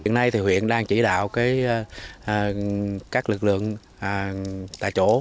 hiện nay thì huyện đang chỉ đạo các lực lượng tại chỗ